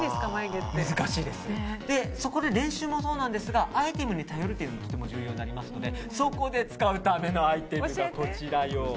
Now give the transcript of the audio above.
そこで練習もそうなんですがアイテムに頼るのもとても重要になりますのでそこで使うためのアイテムがこちらよ。